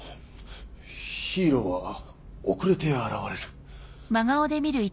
ヒーローは遅れて現れる。